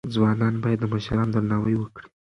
ځوانان باید د مشرانو درناوی وکړي.